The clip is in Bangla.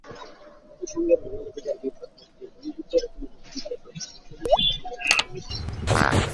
জাতিসংঘের মানবাধিকার বিভাগ কর্তৃক নির্বিচারে কোনও ব্যক্তিকে তাদের আজাদী থেকে বঞ্চিত করা নিষিদ্ধ।